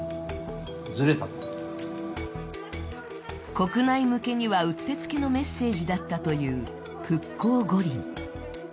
国内向けにはうってつけのメッセージだったという復興五輪。